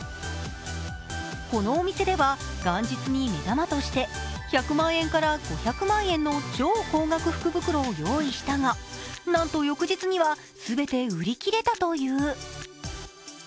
このお店では元日に目玉として１００万円から５００万円の超高額福袋を用意したがなんと翌日にはすべて売り切れたという。